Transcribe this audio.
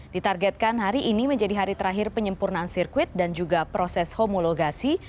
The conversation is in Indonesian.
ditargetkan hari ini menjadi hari terakhir penyempurnaan sirkuit dan juga proses homologasi